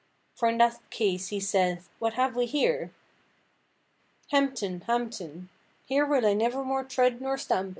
For in that case he saith, What have we here? "Hemton, hamton, Here will I never more tread nor stampen."